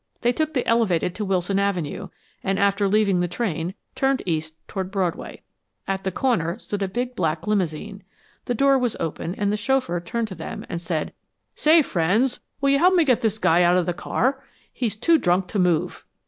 They took the elevated to Wilson Avenue, and after leaving the train, turned east toward Broadway. At the corner stood a big, black limousine. The door was open and the chauffeur turned to them and said, "Say friends, will you help me get this guy out of the car? He's too drunk to move."